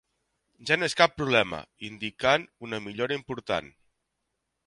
Ja no és cap problema, indicant una millora important.